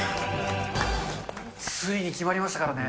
ついに決まりましたからね。